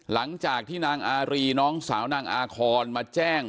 หลังจากที่นางอารีน้องสาวนางอาคอนมาแจ้ง